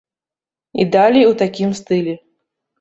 І далей у такім стылі.